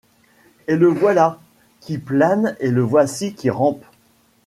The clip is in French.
Et le Voilà. qui plane et le voici qui. rampe